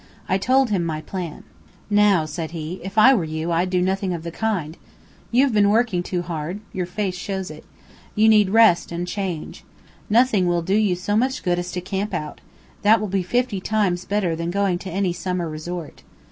I told him my plan. "Now," said he, "if I were you, I'd do nothing of the kind. You have been working too hard; your face shows it. You need rest and change. Nothing will do you so much good as to camp out; that will be fifty times better than going to any summer resort.